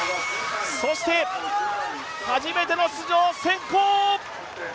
そして初めての出場、センコー。